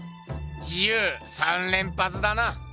「自由」三連発だな。